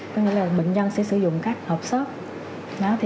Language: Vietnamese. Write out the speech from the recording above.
tức là bệnh nhân sẽ sử dụng các hộp sớt